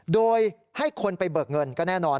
โดยให้คนไปเบิกเงินก็แน่นอน